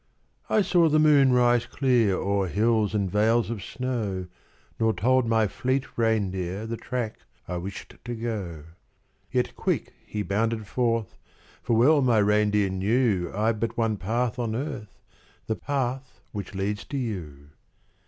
I saw the moon rise clear O'er hills and vales of snow Nor told my fleet reindeer The track I wished to go. Yet quick he bounded forth; For well my reindeer knew I've but one path on earth The path which leads to you.